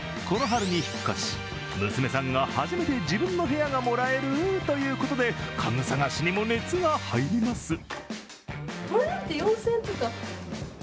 この春に引っ越し、娘さんが初めて自分の部屋がもらえるということで、家具探しにも熱が入ります。